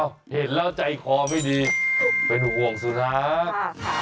อ้าวเห็นแล้วใจคอไม่ดีเลยหนูห่วงสุนัข